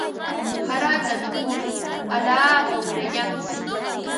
Harata mikur alaapa wirayantsik.